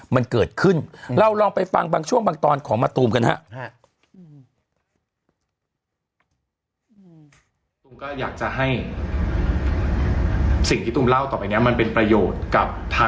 มันเกิดขึ้นเราลองไปฟังบางช่วงบางตอนของมะตูมกันฮะ